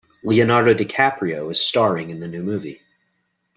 Leonardo DiCaprio is staring in the new movie.